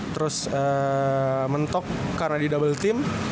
terus mentok karena di double team